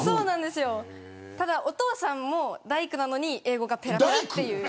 ただ、お父さんも大工なのに英語がぺらぺらという。